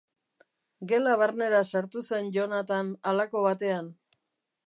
Gela barnera sartu zen Jonathan halako batean.